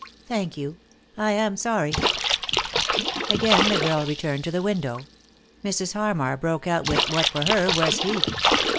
Thank you— I am sony," Again the girl returned to the window. Mrs. Hannar broke out with what, for her, was heat.